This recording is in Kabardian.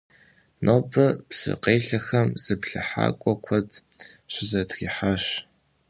Нобэ псыкъелъэхэм зыплъыхьакӀуэ куэд щызэтрихьащ.